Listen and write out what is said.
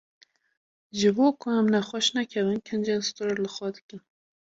Ji bo ku em nexweş nekevin, kincên stûr li xwe dikin.